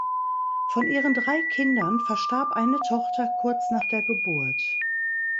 Von ihren drei Kindern verstarb eine Tochter kurz nach der Geburt.